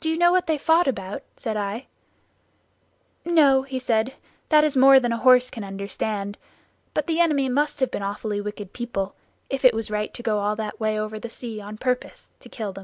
"Do you know what they fought about?" said I. "No," he said, "that is more than a horse can understand, but the enemy must have been awfully wicked people, if it was right to go all that way over the sea on purpose to kill them."